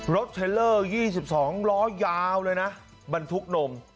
เทลเลอร์๒๒ล้อยาวเลยนะบรรทุกนม